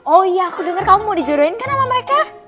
oh iya aku denger kamu mau dijodohin kan sama mereka